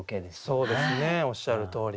そうですねおっしゃるとおり。